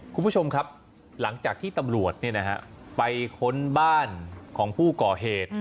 คุณผู้ชมครับหลังจากที่ตำรวจไปค้นบ้านของผู้ก่อเหตุ